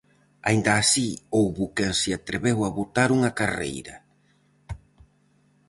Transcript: Aínda así houbo quen se atreveu a botar unha carreira!